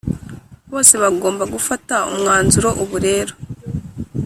bose bagomba gufata umwanzuro Ubu rero